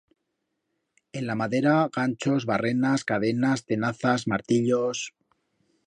En la madera, ganchos, barrenas, cadenas, tenazas, martillos...